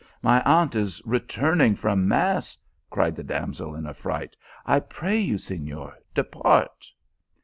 " My aunt is returning from mass ! cried the damsel in affright. " I pray you, Senor, depart."